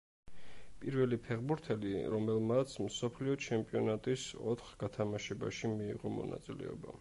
პირველი ფეხბურთელი, რომელმაც მსოფლიო ჩემპიონატის ოთხ გათამაშებაში მიიღო მონაწილეობა.